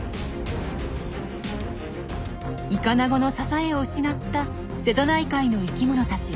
イカナゴの支えを失った瀬戸内海の生きものたち。